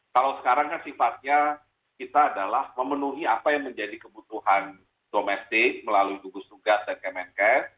kalau sekarang kan sifatnya kita adalah memenuhi apa yang menjadi kebutuhan domestik melalui gugus tugas dan kemenkes